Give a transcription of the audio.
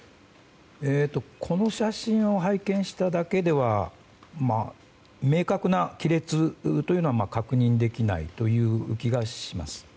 この写真を拝見しただけでは明確な亀裂というのは確認できないという気がします。